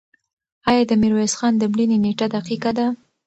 آیا د میرویس خان د مړینې نېټه دقیقه ده؟